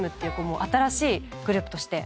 もう新しいグループとして。